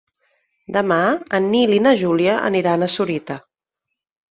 Demà en Nil i na Júlia aniran a Sorita.